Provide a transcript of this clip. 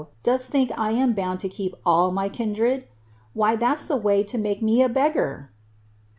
Dosl think 1 am bound to keep all my kindred! Why, ihai's the way lo make me a beggar."